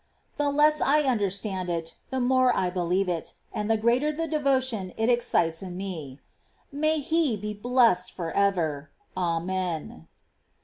The less I understand it, the more I believe it, and the greater the devotion it excites in me. May He be blessed for ever ! Amen.